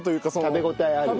食べ応えあるよね。